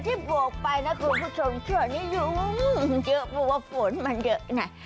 ที่บวกไปนะคุณผู้ชมเจอนี่ยุ้งเจอเขาว่าฝนมันเยอะนี่